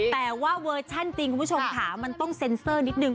แต่ว่าเวอร์ชั่นจริงคุณผู้ชมค่ะมันต้องเซ็นเซอร์นิดนึ